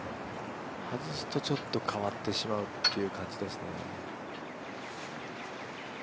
外すとちょっと変わってしまうという感じですね。